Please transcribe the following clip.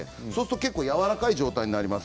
やわらかい状態になります。